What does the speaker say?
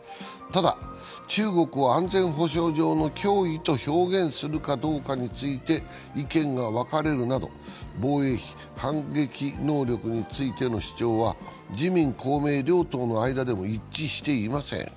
ただ、中国を安全保障上の脅威と表現するかどうかについて意見が分かれるなど防衛費、反撃能力についての主張は自民・公明両党の間でも一致していません。